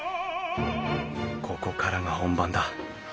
ここからが本番だ。